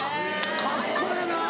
カッコええなぁ。